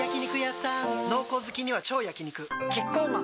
濃厚好きには超焼肉キッコーマン